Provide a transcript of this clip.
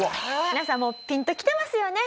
皆さんもうピンときてますよね